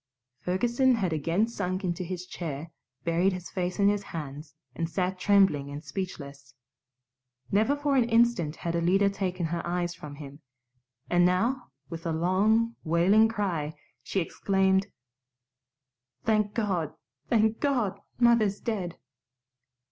Ferguson had again sunk into his chair, buried his face in his hands, and sat trembling and speechless. Never for an instant had Alida taken her eyes from him; and now, with a long, wailing cry, she exclaimed, "Thank God, thank God! Mother's dead."